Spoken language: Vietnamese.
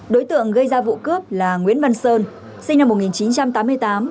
đối tượng gây ra vụ cướp là nguyễn văn sơn sinh năm một nghìn chín trăm tám mươi tám